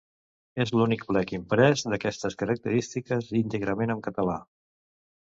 És l’únic plec imprès d'aquestes característiques íntegrament en català.